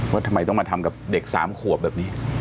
ว่าทำไมต้องมาทำกับเด็ก๓ขวบแบบนี้